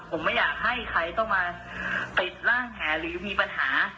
ผมไม่อยากให้ใครต้องมาติดร่างแห่หรือมีปัญหา